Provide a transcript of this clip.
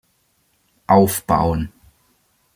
Aufbauen.